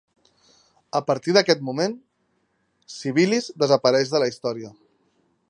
A partir d'aquest moment, Civilis desapareix de la història.